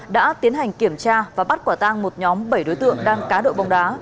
đã tiến hành kiểm tra và bắt quả tang một nhóm bảy đối tượng đang cá độ bóng đá